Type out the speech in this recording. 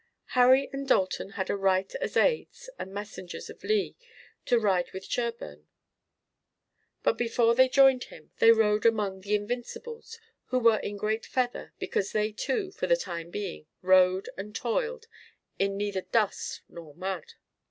Harry and Dalton had a right as aides and messengers of Lee to ride with Sherburne, but before they joined him they rode among the Invincibles, who were in great feather, because they too, for the time being, rode, and toiled in neither dust nor mud.